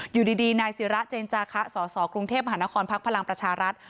อยู่ดีนายศิราเจนจาคะสสกรุงเทพมหานครพักพลังประชารัฐ